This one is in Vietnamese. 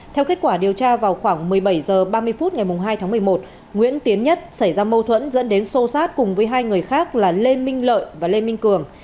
theo kết quả điều tra vào khoảng một mươi bảy h ba mươi phút ngày hai tháng một mươi một nguyễn tiến nhất xảy ra mâu thuẫn dẫn đến xô sát cùng với hai người khác là lê minh lợi và lê minh cường